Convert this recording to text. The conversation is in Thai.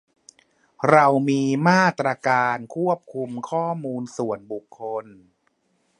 เรามีมาตราการคุ้มครองข้อมูลส่วนบุคคล